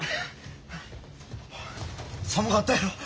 寒かったやろ？